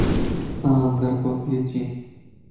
آن اندر ڪوتي اچين